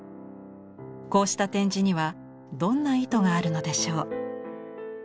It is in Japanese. こうした展示にはどんな意図があるのでしょう。